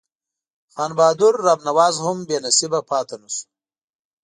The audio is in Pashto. خان بهادر رب نواز هم بې نصیبه پاته نه شو.